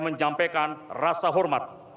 menyampaikan rasa hormat